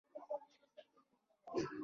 اوس به هغه په دې کڅوړه کې بنده نه وای